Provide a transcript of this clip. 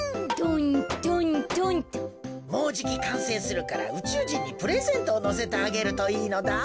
もうじきかんせいするからうちゅうじんにプレゼントをのせてあげるといいのだ。